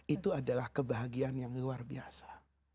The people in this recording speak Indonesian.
itu adalah kebahagiaan yang luar biasa